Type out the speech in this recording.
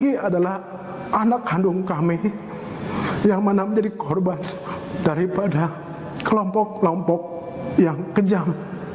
kami adalah anak kandung kami yang mana menjadi korban daripada kelompok kelompok yang kejam